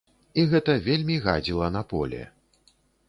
І гэта вельмі гадзіла на поле.